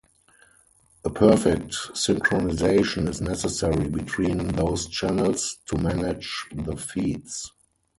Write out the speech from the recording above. A perfect synchronisation is necessary between those channels to manage the feeds.